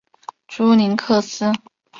绪林克斯。